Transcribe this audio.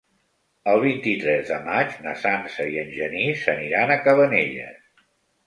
El vint-i-tres de maig na Sança i en Genís aniran a Cabanelles.